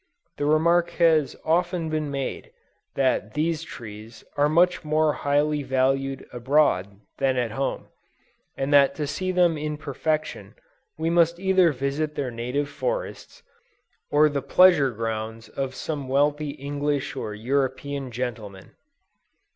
The remark has often been made, that these trees are much more highly valued abroad than at home, and that to see them in perfection, we must either visit their native forests, or the pleasure grounds of some wealthy English or European gentleman.